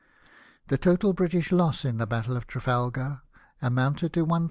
The total British loss in the Battle of Trafalgar amounted to 1,587.